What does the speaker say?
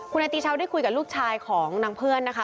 นายตีชาวได้คุยกับลูกชายของนางเพื่อนนะคะ